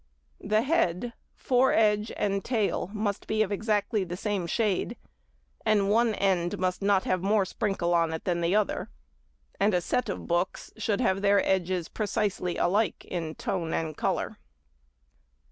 The head, foredge and tail must be of exactly the same shade, and one end must not have more sprinkle on it than the other, and a set of books should have their edges precisely alike in tone and colour.